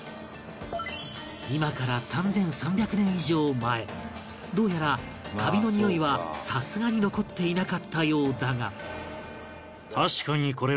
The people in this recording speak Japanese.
今から３３００年以上前どうやらカビのにおいはさすがに残っていなかったようだが